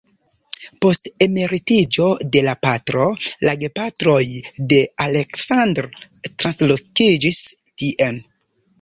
Post emeritiĝo de la patro, la gepatroj de Aleksandr translokiĝis tien.